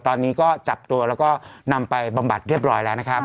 ตอนนี้ก็จับตัวแล้วก็นำไปบำบัดเรียบร้อยแล้วนะครับ